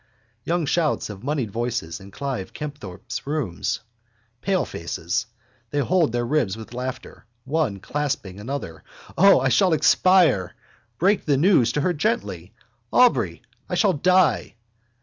Young shouts of moneyed voices in Clive Kempthorpe's rooms. Palefaces: they hold their ribs with laughter, one clasping another. O, I shall expire! Break the news to her gently, Aubrey! I shall die!